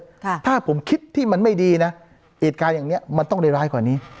ค่ะถ้าผมคิดที่มันไม่ดีนะเอการอย่างเนี้ยมันต้องรายรายกว่านี้